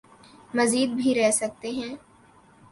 مزید بھی رہ سکتے ہیں۔